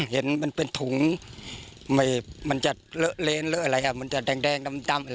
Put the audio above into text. เห็นมันเป็นถุงมันจะเลอะเลนะอะไรจะแดงแดงดำ